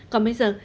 còn bây giờ